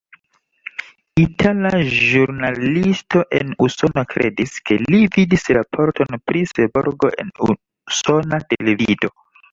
Itala ĵurnalisto en Usono kredis, ke li vidis raporton pri Seborgo en usona televido.